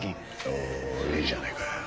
おいいじゃねえかよ。